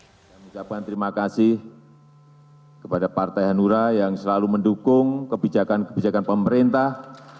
saya mengucapkan terima kasih kepada partai hanura yang selalu mendukung kebijakan kebijakan pemerintah